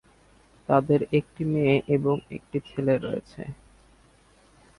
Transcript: তাদের একটি মেয়ে এবং একটি ছেলে রয়েছে।